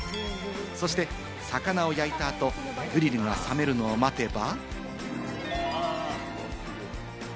そして魚を焼いたあと、グリルが冷めるのを待てば。